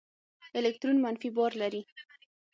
الکترون منفي بار لري.